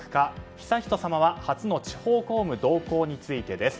悠仁さまは初の地方公務同行についてです。